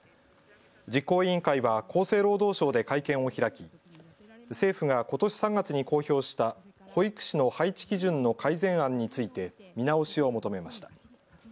実行委員会は厚生労働省で会見を開き政府がことし３月に公表した保育士の配置基準の改善案について見直しを求めました。